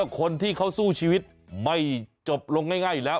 คนที่เขาสู้ชีวิตไม่จบลงง่ายแล้ว